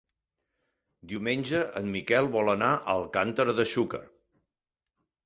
Diumenge en Miquel vol anar a Alcàntera de Xúquer.